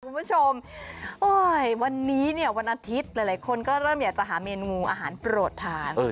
คุณผู้ชมโอ้ยวันนี้เนี่ยวันอาทิตย์หลายคนก็เริ่มอยากจะหาเมนูอาหารโปรดทาน